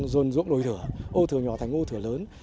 dồn dụng đồi thửa ô thửa nhỏ thành ô thửa lớn